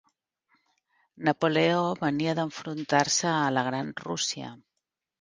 Napoleó venia d'enfrontar-se a la gran Rússia.